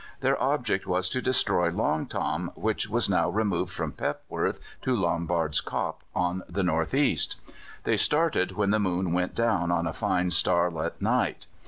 Their object was to destroy Long Tom, which was now removed from Pepworth to Lombard's Kop, on the north east. They started when the moon went down on a fine starlight night.